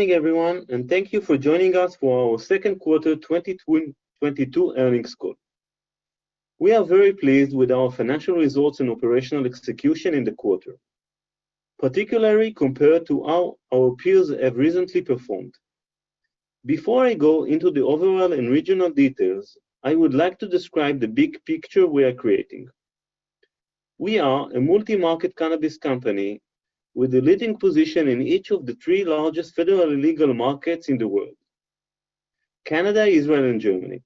Morning everyone, and thank you for joining us for our Second Quarter 2022 Earnings Call. We are very pleased with our financial results and operational execution in the quarter, particularly compared to how our peers have recently performed. Before I go into the overall and regional details, I would like to describe the big picture we are creating. We are a multi-market cannabis company with a leading position in each of the three largest federally legal markets in the world, Canada, Israel, and Germany.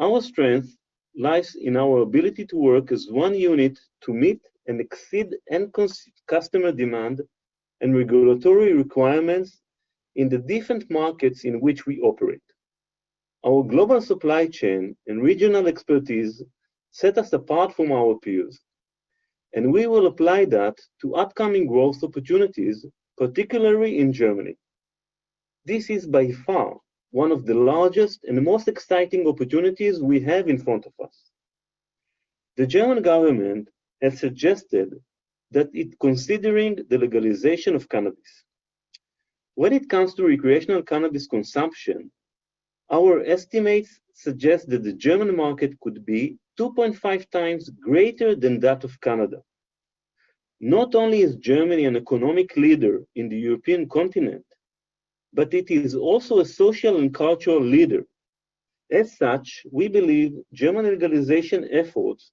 Our strength lies in our ability to work as one unit to meet and exceed customer demand and regulatory requirements in the different markets in which we operate. Our global supply chain and regional expertise set us apart from our peers, and we will apply that to upcoming growth opportunities, particularly in Germany. This is by far one of the largest and the most exciting opportunities we have in front of us. The German government has suggested that it is considering the legalization of cannabis. When it comes to recreational cannabis consumption, our estimates suggest that the German market could be 2.5x greater than that of Canada. Not only is Germany an economic leader in the European continent, but it is also a social and cultural leader. As such, we believe German legalization efforts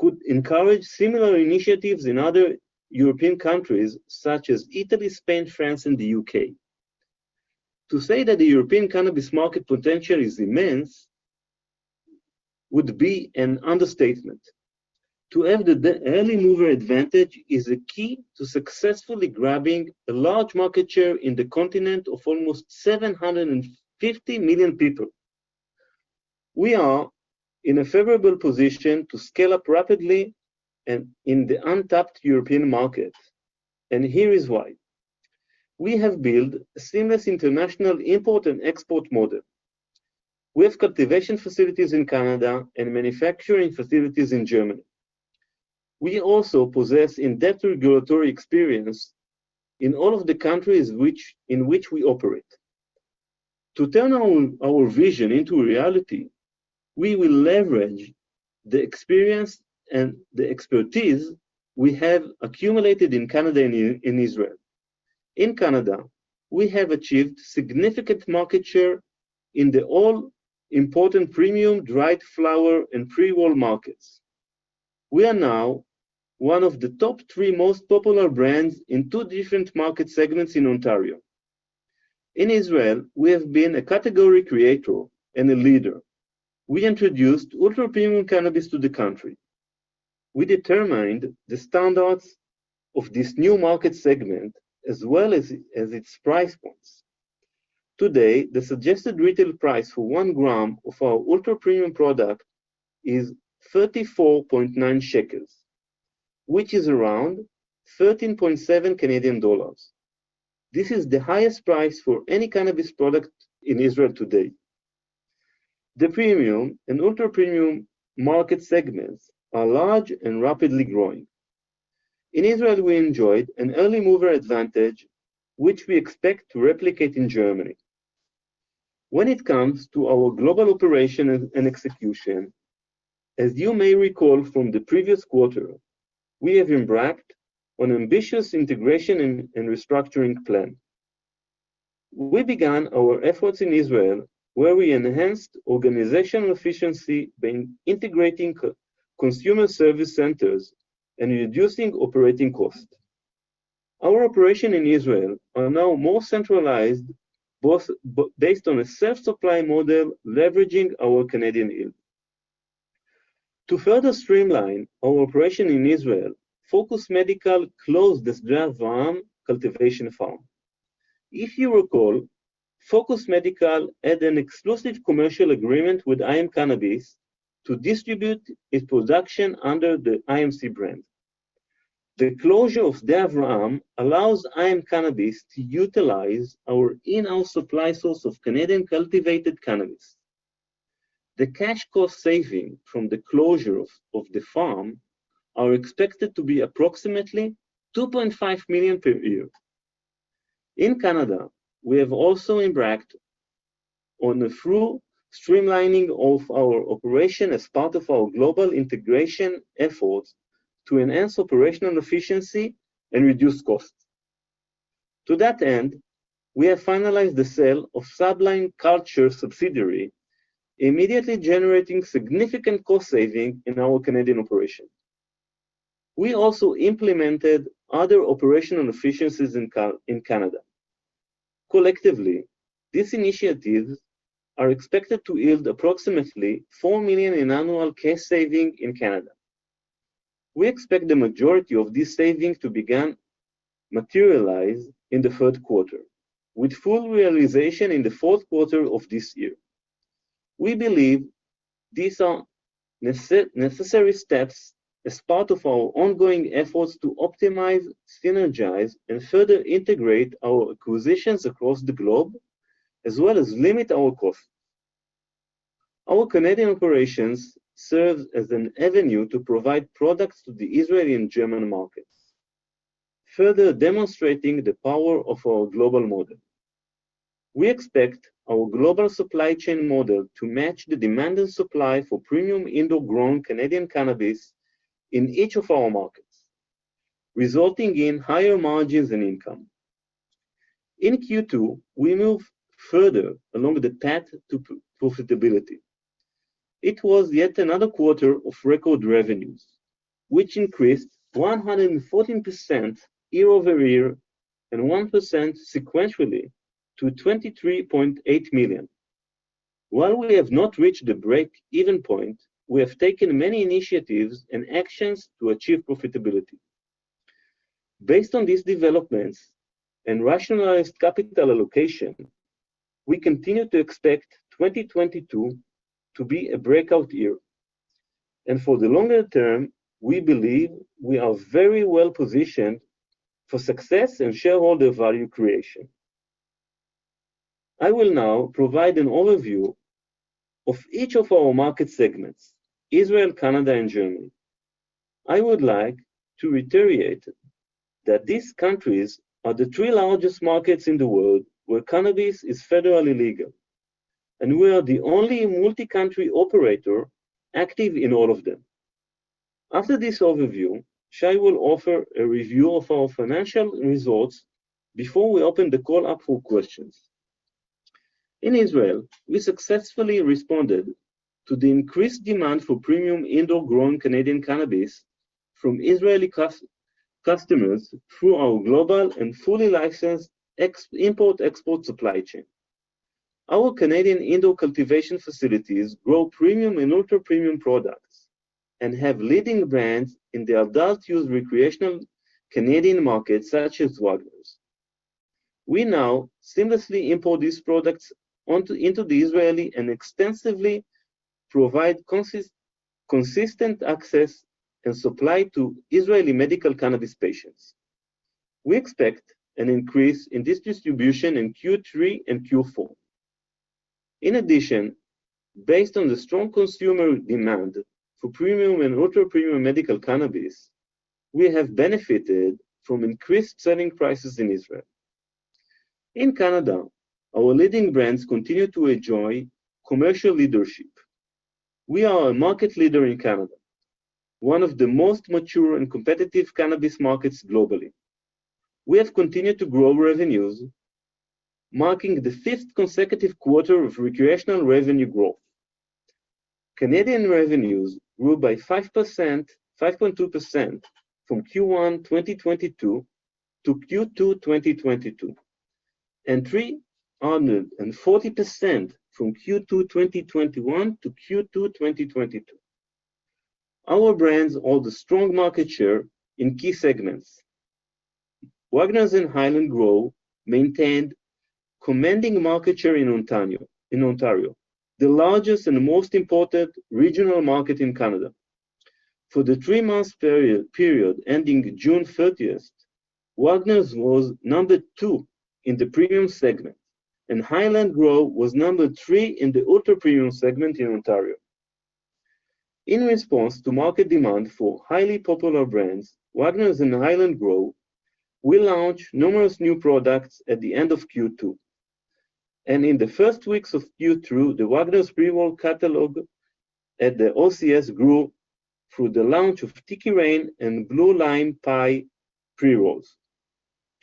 could encourage similar initiatives in other European countries such as Italy, Spain, France, and the U.K. To say that the European cannabis market potential is immense would be an understatement. To have the early mover advantage is a key to successfully grabbing a large market share in the continent of almost 750 million people. We are in a favorable position to scale up rapidly and in the untapped European market, and here is why. We have built a seamless international import and export model. We have cultivation facilities in Canada and manufacturing facilities in Germany. We also possess in-depth regulatory experience in all of the countries in which we operate. To turn our vision into reality, we will leverage the experience and the expertise we have accumulated in Canada and in Israel. In Canada, we have achieved significant market share in the all-important premium dried flower and pre-roll markets. We are now one of the top three most popular brands in two different market segments in Ontario. In Israel, we have been a category creator and a leader. We introduced ultra-premium cannabis to the country. We determined the standards of this new market segment as well as its price points. Today, the suggested retail price for one gram of our ultra-premium product is 34.9 shekels, which is around 13.7 Canadian dollars. This is the highest price for any cannabis product in Israel today. The premium and ultra-premium market segments are large and rapidly growing. In Israel, we enjoyed an early mover advantage, which we expect to replicate in Germany. When it comes to our global operation and execution, as you may recall from the previous quarter, we have embraced an ambitious integration and restructuring plan. We began our efforts in Israel, where we enhanced organizational efficiency by integrating customer service centers and reducing operating costs. Our operations in Israel are now more centralized, both based on a self-supply model leveraging our Canadian yield. To further streamline our operations in Israel, Focus Medical closed the Sde Avraham cultivation farm. If you recall, Focus Medical had an exclusive commercial agreement with IM Cannabis to distribute its production under the IMC brand. The closure of Sde Avraham allows IM Cannabis to utilize our in-house supply source of Canadian cultivated cannabis. The cash cost saving from the closure of the farm are expected to be approximately 2.5 million per year. In Canada, we have also embarked on a thorough streamlining of our operation as part of our global integration efforts to enhance operational efficiency and reduce costs. To that end, we have finalized the sale of Sublime Culture subsidiary, immediately generating significant cost saving in our Canadian operation. We also implemented other operational efficiencies in Canada. Collectively, these initiatives are expected to yield approximately 4 million in annual cash saving in Canada. We expect the majority of these savings to begin materialize in the third quarter, with full realization in the fourth quarter of this year. We believe these are necessary steps as part of our ongoing efforts to optimize, synergize, and further integrate our acquisitions across the globe, as well as limit our costs. Our Canadian operations serve as an avenue to provide products to the Israeli and German markets, further demonstrating the power of our global model. We expect our global supply chain model to match the demand and supply for premium indoor-grown Canadian cannabis in each of our markets, resulting in higher margins and income. In Q2, we moved further along the path to profitability. It was yet another quarter of record revenues, which increased 114% year-over-year and 1% sequentially to 23.8 million. While we have not reached the break-even point, we have taken many initiatives and actions to achieve profitability. Based on these developments and rationalized capital allocation, we continue to expect 2022 to be a breakout year, and for the longer term, we believe we are very well-positioned for success and shareholder value creation. I will now provide an overview of each of our market segments, Israel, Canada, and Germany. I would like to reiterate that these countries are the three largest markets in the world where cannabis is federally legal, and we are the only multi-country operator active in all of them. After this overview, Shai will offer a review of our financial results before we open the call up for questions. In Israel, we successfully responded to the increased demand for premium indoor-grown Canadian cannabis from Israeli customers through our global and fully licensed export/import supply chain. Our Canadian indoor cultivation facilities grow premium and ultra-premium products and have leading brands in the adult use recreational Canadian market, such as WAGNERS. We now seamlessly import these products into Israel and extensively provide consistent access and supply to Israeli medical cannabis patients. We expect an increase in this distribution in Q3 and Q4. In addition, based on the strong consumer demand for premium and ultra-premium medical cannabis, we have benefited from increased selling prices in Israel. In Canada, our leading brands continue to enjoy commercial leadership. We are a market leader in Canada, one of the most mature and competitive cannabis markets globally. We have continued to grow revenues, marking the fifth consecutive quarter of recreational revenue growth. Canadian revenues grew by 5.2% from Q1 2022 to Q2 2022, and 340% from Q2 2021 to Q2 2022. Our brands hold a strong market share in key segments. WAGNERS and Highland Grow maintained commanding market share in Ontario, the largest and most important regional market in Canada. For the three-month period ending June 30, WAGNERS was 2 in the premium segment, and Highland Grow was 3 in the ultra-premium segment in Ontario. In response to market demand for highly popular brands, WAGNERS and Highland Grow will launch numerous new products at the end of Q2. In the first weeks of Q2, the WAGNERS pre-roll catalog at the OCS grew through the launch of Tiki Rain and Blue Lime Pie pre-rolls.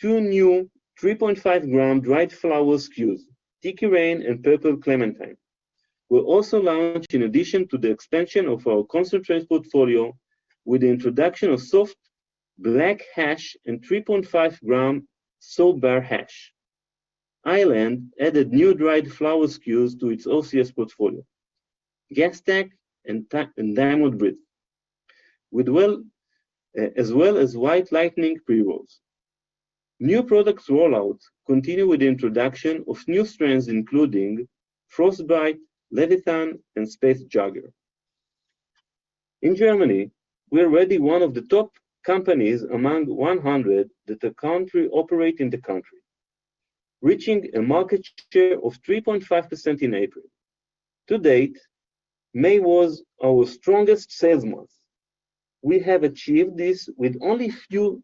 Two new 3.5 gram dried flower SKUs, Tiki Rain and Purple Clementine, will also launch in addition to the expansion of our concentrates portfolio with the introduction of soft Black Hash and 3.5 gram Soap Bar Hash. Highland added new dried flower SKUs to its OCS portfolio, Gas Tank and Diamond Breath, as well as White Lightning pre-rolls. New products rollout continue with the introduction of new strains including Frost Bite, Leviathan, and Space Jagger. In Germany, we are already one of the top companies among the 100 that operate in the country, reaching a market share of 3.5% in April. To date, May was our strongest sales month. We have achieved this with only four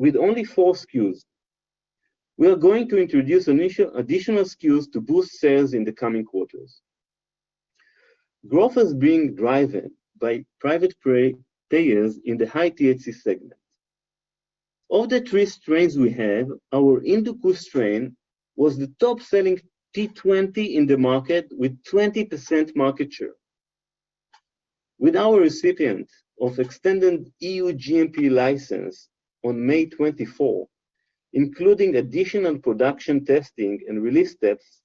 SKUs. We are going to introduce additional SKUs to boost sales in the coming quarters. Growth is being driven by private payers in the high-THC segment. Of the three strains we have, our Indica strain was the top-selling T20 in the market with 20% market share. With our receipt of extended EU GMP license on May twenty-fourth, including additional production testing and release steps,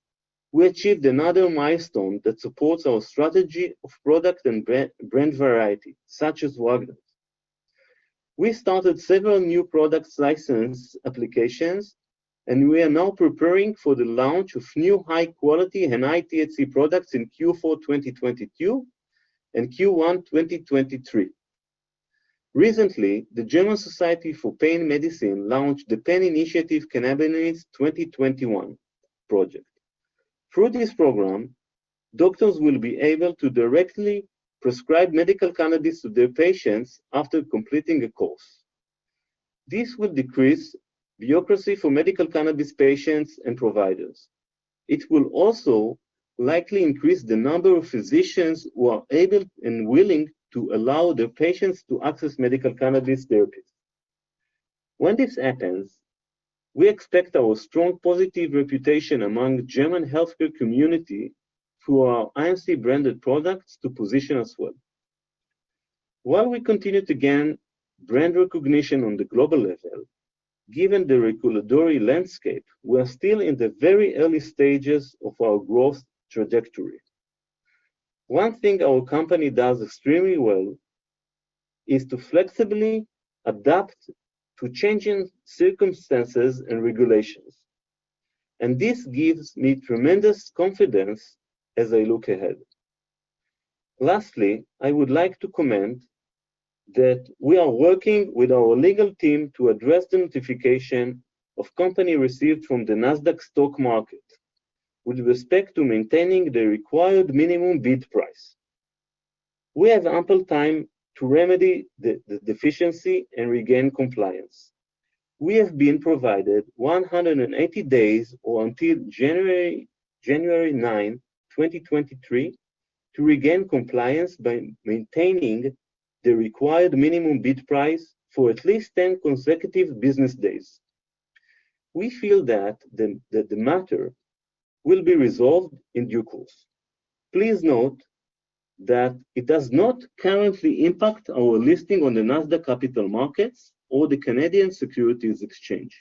we achieved another milestone that supports our strategy of product and brand variety, such as WAGNERS. We started several new products license applications, and we are now preparing for the launch of new high-quality and high-THC products in Q4 2022 and Q1 2023. Recently, the German Society for Pain Medicine launched the Pain Initiative Cannabinoids 2021 project. Through this program, doctors will be able to directly prescribe medical cannabis to their patients after completing a course. This will decrease bureaucracy for medical cannabis patients and providers. It will also likely increase the number of physicians who are able and willing to allow their patients to access medical cannabis therapies. When this happens, we expect our strong positive reputation among German healthcare community through our IMC-branded products to position us well. While we continue to gain brand recognition on the global level, given the regulatory landscape, we are still in the very early stages of our growth trajectory. One thing our company does extremely well is to flexibly adapt to changing circumstances and regulations, and this gives me tremendous confidence as I look ahead. Lastly, I would like to comment that we are working with our legal team to address the notification the company received from the Nasdaq Stock Market with respect to maintaining the required minimum bid price. We have ample time to remedy the deficiency and regain compliance. We have been provided 180 days or until January ninth, 2023, to regain compliance by maintaining the required minimum bid price for at least 10 consecutive business days. We feel that the matter will be resolved in due course. Please note that it does not currently impact our listing on the Nasdaq Capital Market or the Canadian Securities Exchange.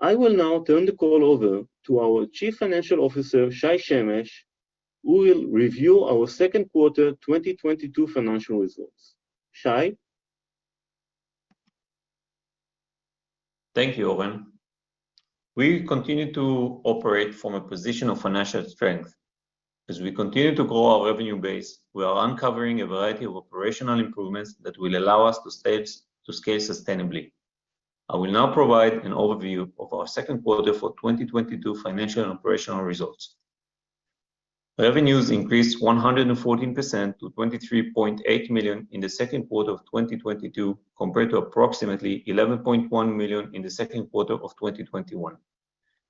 I will now turn the call over to our Chief Financial Officer, Shai Shemesh, who will review our second quarter 2022 financial results. Shai? Thank you, Oren. We continue to operate from a position of financial strength. As we continue to grow our revenue base, we are uncovering a variety of operational improvements that will allow us to scale sustainably. I will now provide an overview of our second quarter for 2022 financial and operational results. Revenues increased 114% to 23.8 million in the second quarter of 2022, compared to approximately 11.1 million in the second quarter of 2021.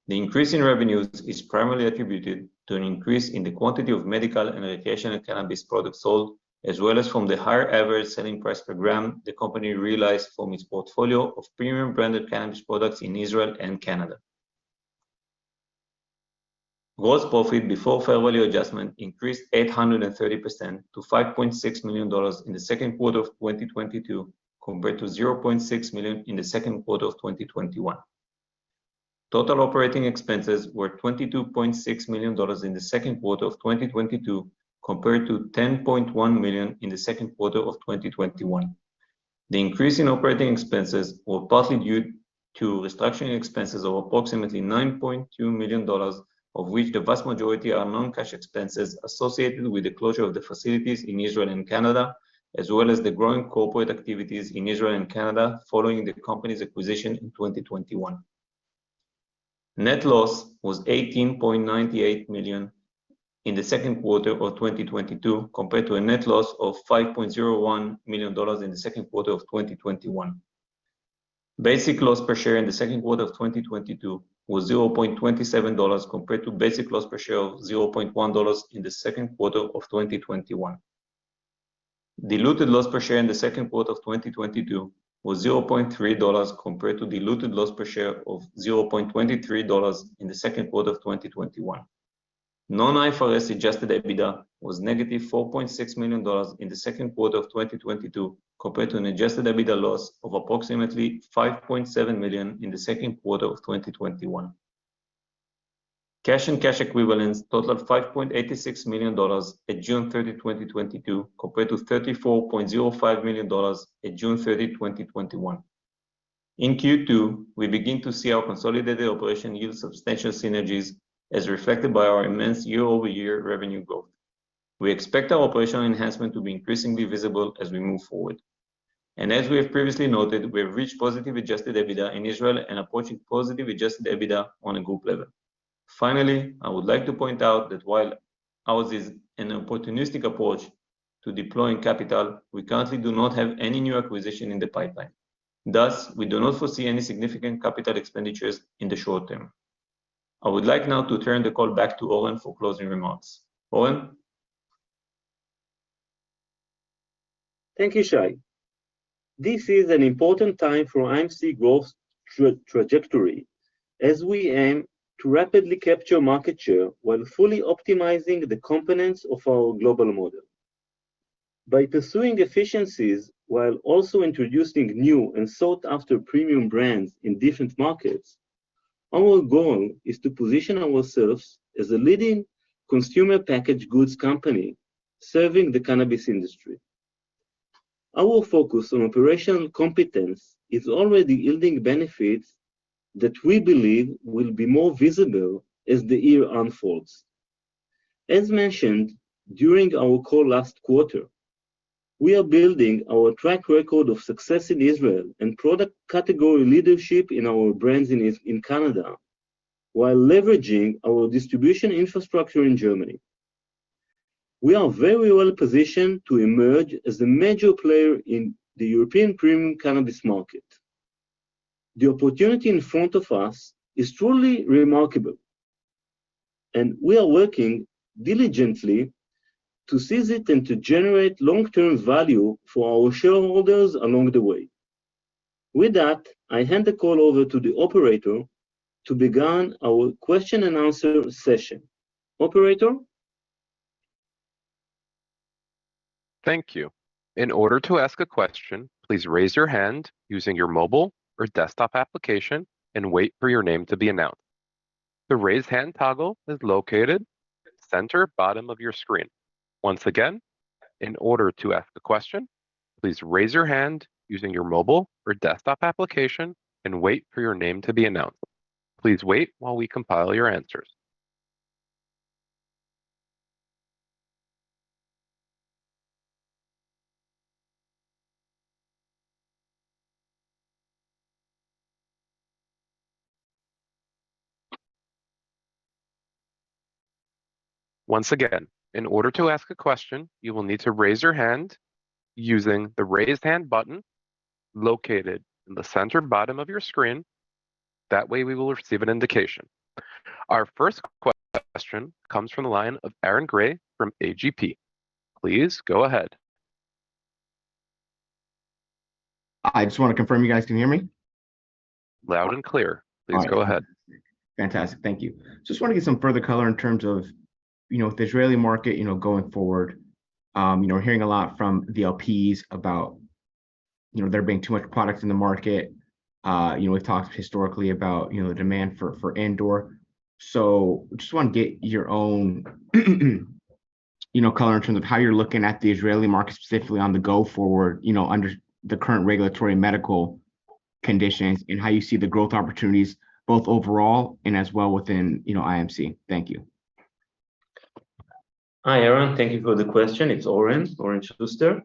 The increase in revenues is primarily attributed to an increase in the quantity of medical and recreational cannabis products sold, as well as from the higher average selling price per gram the company realized from its portfolio of premium-branded cannabis products in Israel and Canada. Gross profit before fair value adjustment increased 830% to $5.6 million in the second quarter of 2022, compared to $0.6 million in the second quarter of 2021. Total operating expenses were $22.6 million in the second quarter of 2022, compared to $10.1 million in the second quarter of 2021. The increase in operating expenses were partly due to restructuring expenses of approximately $9.2 million, of which the vast majority are non-cash expenses associated with the closure of the facilities in Israel and Canada, as well as the growing corporate activities in Israel and Canada following the company's acquisition in 2021. Net loss was $18.98 million in the second quarter of 2022, compared to a net loss of $5.01 million in the second quarter of 2021. Basic loss per share in the second quarter of 2022 was $0.27, compared to basic loss per share of $0.1 in the second quarter of 2021. Diluted loss per share in the second quarter of 2022 was $0.3 compared to diluted loss per share of $0.23 in the second quarter of 2021. Non-IFRS adjusted EBITDA was -$4.6 million in the second quarter of 2022, compared to an adjusted EBITDA loss of approximately $5.7 million in the second quarter of 2021. Cash and cash equivalents totaled ILS 5.86 million at June 30, 2022, compared to ILS 34.05 million at June 30, 2021. In Q2, we begin to see our consolidated operation yield substantial synergies as reflected by our immense year-over-year revenue growth. We expect our operational enhancement to be increasingly visible as we move forward. As we have previously noted, we have reached positive adjusted EBITDA in Israel and approaching positive adjusted EBITDA on a group level. Finally, I would like to point out that while ours is an opportunistic approach to deploying capital, we currently do not have any new acquisition in the pipeline. Thus, we do not foresee any significant capital expenditures in the short term. I would like now to turn the call back to Oren for closing remarks. Oren? Thank you, Shai. This is an important time for IMC growth trajectory, as we aim to rapidly capture market share while fully optimizing the components of our global model. By pursuing efficiencies while also introducing new and sought-after premium brands in different markets, our goal is to position ourselves as a leading consumer packaged goods company serving the cannabis industry. Our focus on operational competence is already yielding benefits that we believe will be more visible as the year unfolds. As mentioned during our call last quarter, we are building our track record of success in Israel and product category leadership in our brands in Canada, while leveraging our distribution infrastructure in Germany. We are very well positioned to emerge as a major player in the European premium cannabis market. The opportunity in front of us is truly remarkable, and we are working diligently to seize it and to generate long-term value for our shareholders along the way. With that, I hand the call over to the operator to begin our question and answer session. Operator? Thank you. In order to ask a question, please raise your hand using your mobile or desktop application and wait for your name to be announced. The Raise Hand toggle is located at center bottom of your screen. Once again, in order to ask a question, you will need to raise your hand using the Raise Hand button located in the center bottom of your screen. That way, we will receive an indication. Our first question comes from the line of Aaron Grey from AGP. Please go ahead. I just want to confirm you guys can hear me. Loud and clear. All right. Please go ahead. Fantastic. Thank you. Just want to get some further color in terms of, you know, the Israeli market, you know, going forward. You know, we're hearing a lot from the LPs about, you know, there being too much product in the market. You know, we've talked historically about, you know, the demand for indoor. Just want to get your own, you know, color in terms of how you're looking at the Israeli market specifically going forward, you know, under the current regulatory medical conditions and how you see the growth opportunities both overall and as well within, you know, IMC. Thank you. Hi, Aaron Grey. Thank you for the question. It's Oren Shuster.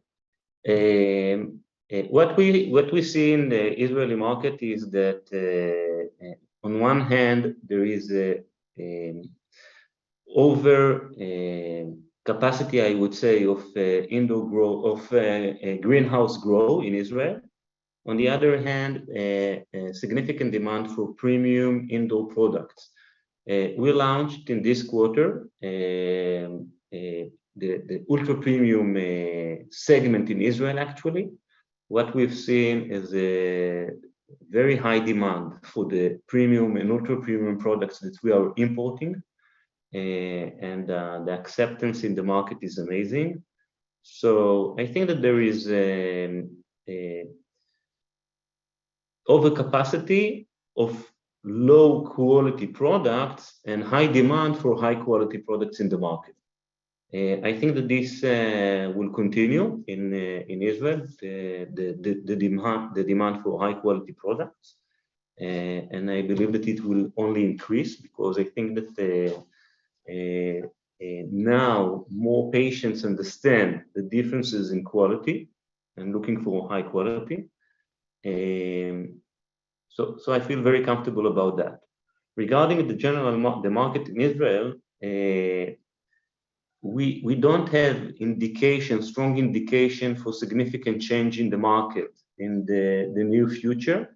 What we see in the Israeli market is that, on one hand, there is a overcapacity, I would say, of a greenhouse grow in Israel. On the other hand, a significant demand for premium indoor products. We launched in this quarter the ultra-premium segment in Israel, actually. What we've seen is a very high demand for the premium and ultra-premium products that we are importing, and the acceptance in the market is amazing. I think that there is an overcapacity of low-quality products and high demand for high-quality products in the market. I think that this will continue in Israel, the demand for high-quality products. I believe that it will only increase because I think that now more patients understand the differences in quality and looking for high quality. I feel very comfortable about that. Regarding the general market in Israel, we don't have indication, strong indication for significant change in the market in the near future.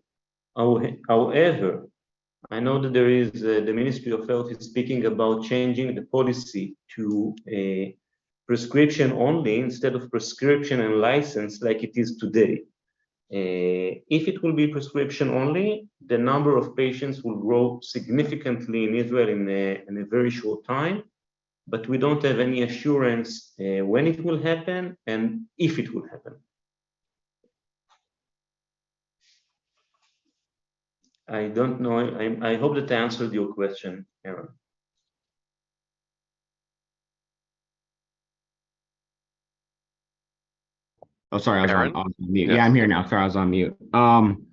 However, I know that the Ministry of Health is speaking about changing the policy to a prescription only instead of prescription and license like it is today. If it will be prescription only, the number of patients will grow significantly in Israel in a very short time, but we don't have any assurance when it will happen and if it will happen. I don't know. I hope that answered your question, Aaron. Oh, sorry. I was on mute. Aaron. Yeah, I'm here now. Sorry, I was on mute.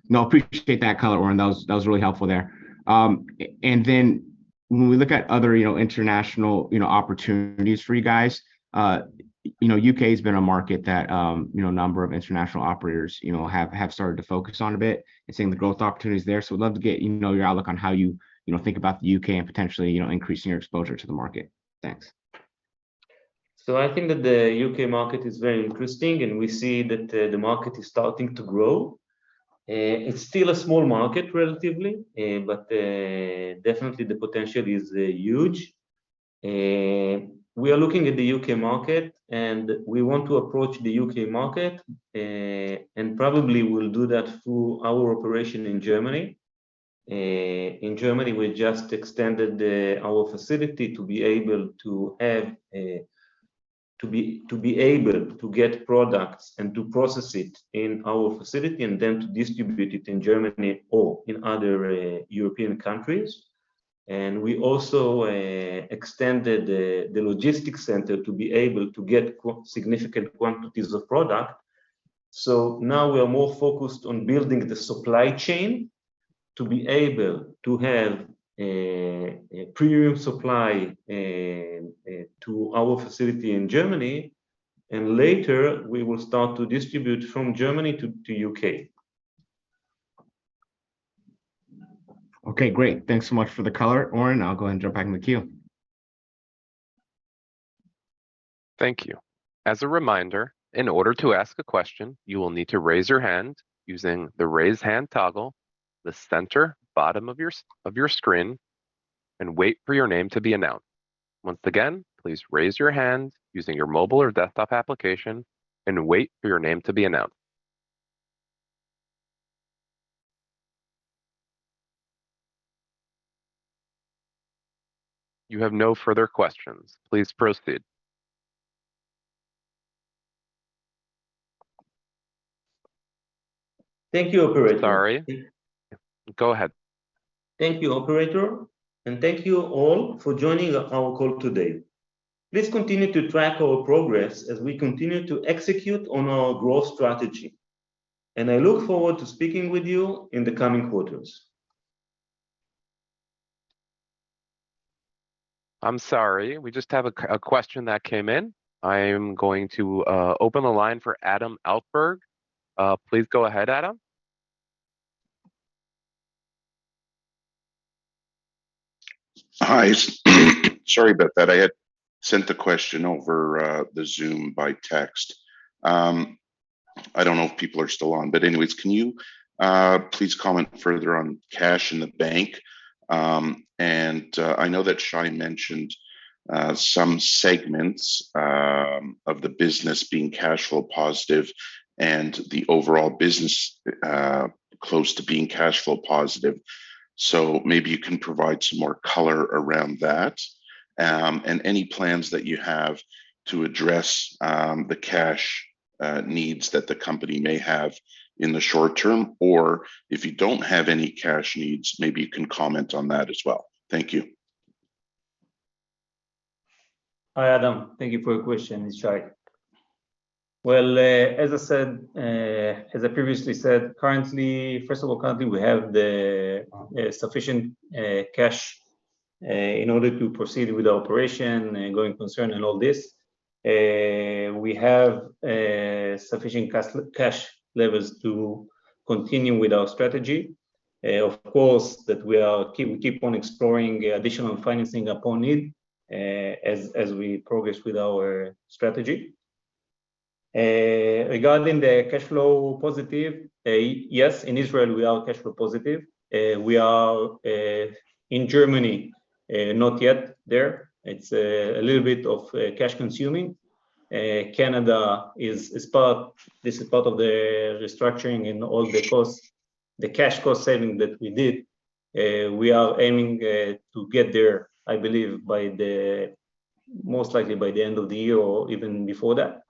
No, appreciate that color, Oren. That was really helpful there. When we look at other, you know, international, you know, opportunities for you guys, you know, U.K. has been a market that, you know, a number of international operators, you know, have started to focus on a bit and seeing the growth opportunities there. We'd love to get, you know, your outlook on how you know, think about the U.K. and potentially, you know, increasing your exposure to the market. Thanks. I think that the U.K. market is very interesting, and we see that, the market is starting to grow. It's still a small market relatively, but, definitely the potential is, huge. We are looking at the U.K. Market, and we want to approach the U.K. market, and probably we'll do that through our operation in Germany. In Germany, we just extended, our facility to be able to get products and to process it in our facility and then to distribute it in Germany or in other, European countries. We also extended the logistics center to be able to get quite significant quantities of product. Now we are more focused on building the supply chain to be able to have a premium supply to our facility in Germany, and later we will start to distribute from Germany to U.K. Okay, great. Thanks so much for the color, Oren. I'll go and drop back in the queue. Thank you. As a reminder, in order to ask a question, you will need to raise your hand using the Raise Hand toggle, the center bottom of your screen, and wait for your name to be announced. Once again, please raise your hand using your mobile or desktop application and wait for your name to be announced. You have no further questions. Please proceed. Thank you, operator. Sorry. Go ahead. Thank you, operator, and thank you all for joining our call today. Please continue to track our progress as we continue to execute on our growth strategy. I look forward to speaking with you in the coming quarters. I'm sorry. We just have a Q&A question that came in. I am going to open the line for Adam Altberg. Please go ahead, Adam. Hi. Sorry about that. I had sent the question over, the Zoom by text. I don't know if people are still on, but anyways, can you please comment further on cash in the bank? I know that Shai mentioned some segments of the business being cash flow positive and the overall business close to being cash flow positive, so maybe you can provide some more color around that, and any plans that you have to address the cash needs that the company may have in the short term, or if you don't have any cash needs, maybe you can comment on that as well. Thank you. Hi, Adam. Thank you for your question. It's Shai. Well, as I previously said, first of all, currently we have sufficient cash in order to proceed with the operation, ongoing concern, and all this. We have sufficient cash levels to continue with our strategy. Of course that we keep on exploring additional financing as needed, as we progress with our strategy. Regarding the cash flow positive, yes, in Israel we are cash flow positive. We are in Germany not yet there. It's a little bit cash consuming. Canada is part of the restructuring and all the costs, the cash cost saving that we did. We are aiming to get there, I believe by the most likely by the end of the year or even before that.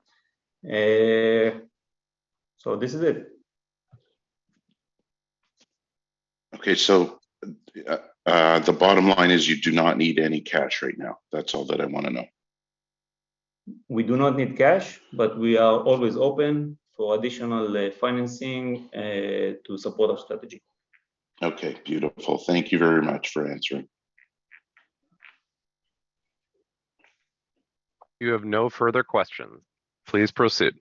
This is it. Okay. The bottom line is you do not need any cash right now. That's all that I wanna know. We do not need cash, but we are always open for additional financing to support our strategy. Okay, beautiful. Thank you very much for answering. You have no further questions. Please proceed.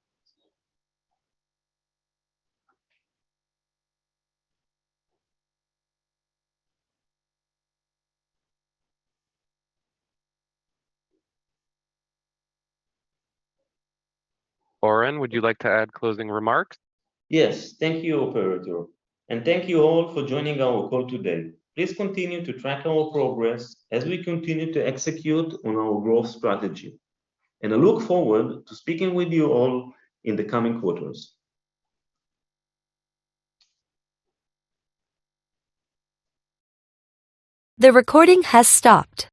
Oren, would you like to add closing remarks? Yes. Thank you, operator, and thank you all for joining our call today. Please continue to track our progress as we continue to execute on our growth strategy, and I look forward to speaking with you all in the coming quarters. The recording has stopped.